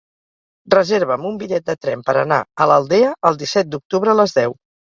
Reserva'm un bitllet de tren per anar a l'Aldea el disset d'octubre a les deu.